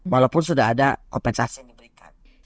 walaupun sudah ada kompensasi yang diberikan